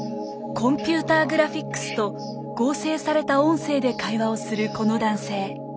コンピューターグラフィックスと合成された音声で会話をするこの男性。